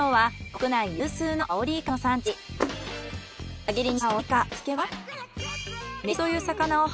はい。